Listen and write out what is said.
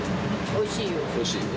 おいしい？